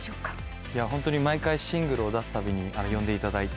ホントに毎回シングルを出すたびに呼んでいただいて。